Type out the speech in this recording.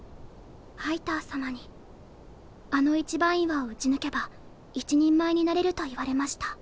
ハイター様にあの一番岩を打ち抜けば一人前になれると言われました。